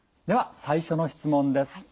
では最初の質問です。